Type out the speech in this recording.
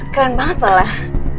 keren banget lho lah